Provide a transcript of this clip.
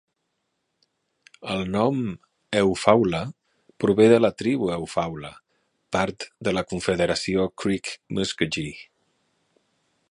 El nom "Eufaula" prové de la tribu Eufaula, part de la Confederació Creek Muskogee.